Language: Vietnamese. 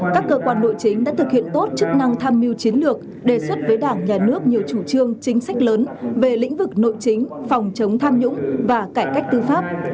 các cơ quan nội chính đã thực hiện tốt chức năng tham mưu chiến lược đề xuất với đảng nhà nước nhiều chủ trương chính sách lớn về lĩnh vực nội chính phòng chống tham nhũng và cải cách tư pháp